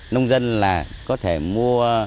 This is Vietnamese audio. nông dân là có thể mua